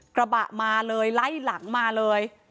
กระบะมาเลยไล่หลังมาเลย